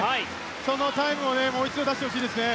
そのタイムをもう一度出してほしいですね。